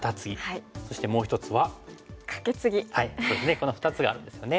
この２つがあるんですよね。